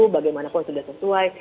bagaimanapun sudah sesuai